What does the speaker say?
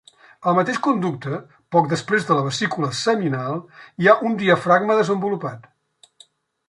Al mateix conducte, poc després de la vesícula seminal, hi ha un diafragma desenvolupat.